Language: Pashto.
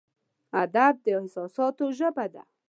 ادب د احساساتو ژبه ده.